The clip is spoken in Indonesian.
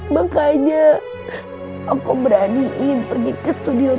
makanya aku beraniin pergi ke studio tv